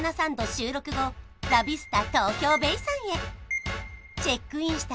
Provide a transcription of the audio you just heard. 収録後ラビスタ東京ベイさんへチェックインした